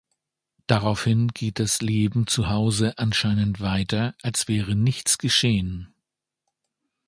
Daraufhin geht das Leben zuhause anscheinend weiter, als wäre nichts geschehen.